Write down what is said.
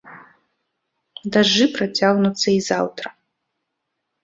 Дажджы працягнуцца і заўтра.